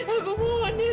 aku mohon mirza jangan